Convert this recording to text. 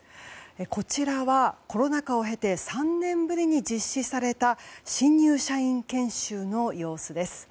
こちらは、コロナ禍を経て３年ぶりに実施された新入社員研修の様子です。